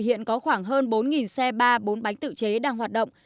hiện có khoảng hơn bốn xe ba bốn bánh tự chế đang hoạt động